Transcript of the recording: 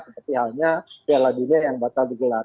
seperti halnya piala dunia yang batal digelar